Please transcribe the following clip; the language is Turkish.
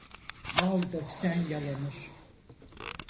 Bal döksen yalanır.